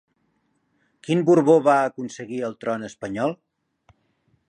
Quin Borbó va aconseguir el tron espanyol?